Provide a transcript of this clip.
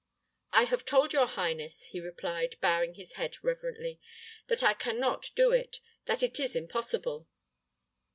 "I have told your highness," he replied, bowing his head reverently, "that I can not do it that it is impossible."